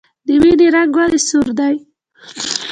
د وینې رنګ ولې سور دی